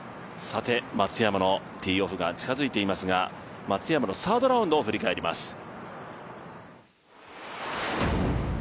松山のティーオフが近づいていますが、松山のサードラウンドを振り返ります。